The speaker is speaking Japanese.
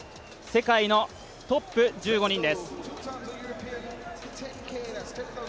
世界のトップ、１５人です。